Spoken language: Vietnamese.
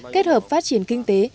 kết hợp phát triển kinh tế